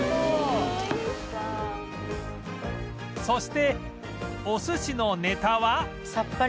そしてお寿司のネタは